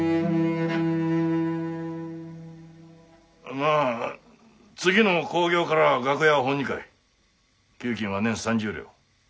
まあ次の興行からは楽屋は本二階給金は年３０両。